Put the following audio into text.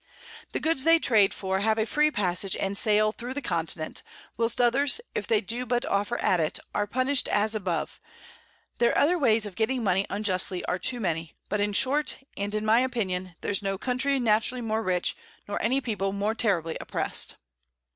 The Goods they trade for have a free Passage and Sale through the Continent, whilst others, if they do but offer at it, are punish'd as above. Their other Ways of getting Money unjustly are too many; but in short, in my Opinion, there's no Country naturally more rich, nor any People more terribly oppress'd.